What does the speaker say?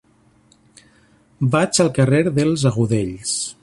Vaig al carrer dels Agudells.